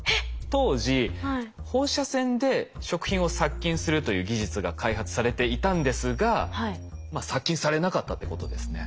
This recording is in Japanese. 当時放射線で食品を殺菌するという技術が開発されていたんですが殺菌されなかったっていうことですね。